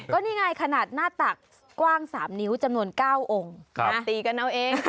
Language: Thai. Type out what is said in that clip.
ก็นี่ไงขนาดหน้าตักกว้าง๓นิ้วจำนวน๙องค์ตีกันเอาเอง